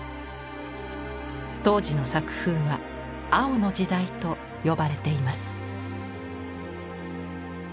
当時の作風は「青の時代」と呼ばれています。